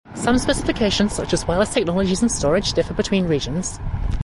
Some specifications such as wireless technologies and storage differ between regions.